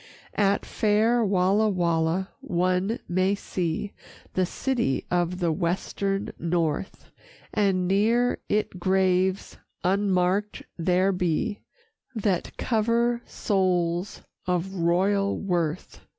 IX At fair Walla Walla one may see The city of the Western North, And near it graves unmarked there be That cover souls of royal worth.